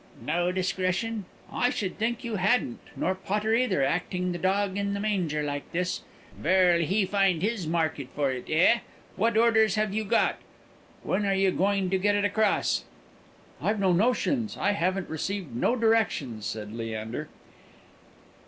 "No discretion! I should think you hadn't. Nor Potter either, acting the dog in the manger like this. Where'll he find his market for it, eh? What orders have you got? When are you going to get it across?" "I've no notions. I haven't received no directions," said Leander.